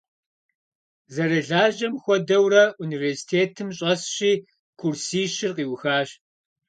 Зэрылажьэм хуэдэурэ университетым щӏэсщи, курсищыр къиухащ.